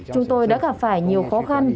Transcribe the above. chúng tôi đã gặp phải nhiều khó khăn